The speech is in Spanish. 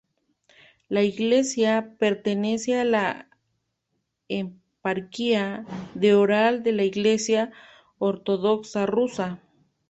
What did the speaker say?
La iglesia pertenece a la Eparquía de Oral de la iglesia Ortodoxa Rusa.